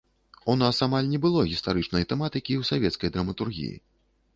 У нас амаль не было гістарычнай тэматыкі ў савецкай драматургіі.